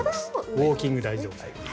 ウォーキング大事です。